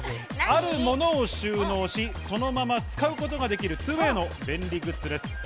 あるものを収納し、そのまま使うことができる２ＷＡＹの便利グッズです。